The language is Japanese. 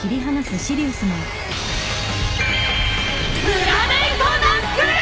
プラネイトナックル！！